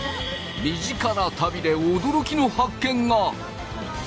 身近な旅で驚きの発見が！